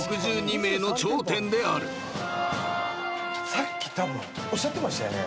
さっきたぶんおっしゃってましたよね。